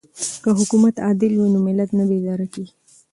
که حکومت عادل وي نو ملت نه بیزاره کیږي.